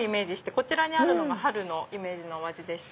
こちらにあるのが春のイメージのお味でして。